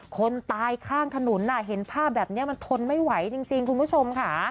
คนตายข้างถนนเห็นภาพแบบนี้มันทนไม่ไหวจริงคุณผู้ชมค่ะ